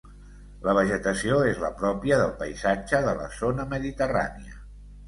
La vegetació és la pròpia del paisatge de la zona mediterrània.